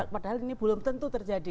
padahal ini belum tentu terjadi